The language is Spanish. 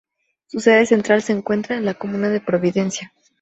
Su sede central se encuentra en la comuna de Providencia.